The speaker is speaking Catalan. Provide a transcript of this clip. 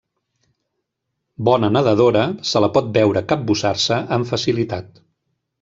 Bona nedadora, se la pot veure capbussar-se amb facilitat.